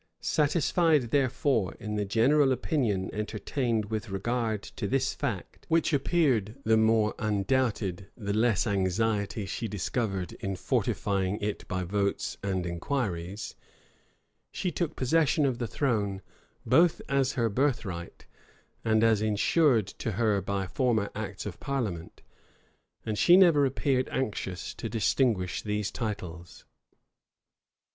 Satisfied, therefore, in the general opinion entertained with regard to this fact, which appeared the more undoubted, the less anxiety she discovered in fortifying it by votes and inquiries; she took possession of the throne both as her birthright, and as insured to her by former acts of parliament; and she never appeared anxious to distinguish these titles.